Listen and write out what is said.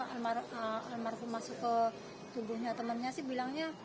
almarhum masuk ke tubuhnya temannya sih bilangnya